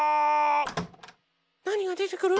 なにがでてくる？